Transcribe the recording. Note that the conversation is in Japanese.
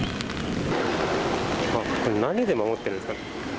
あれ、何で守ってるんですかね？